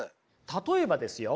例えばですよ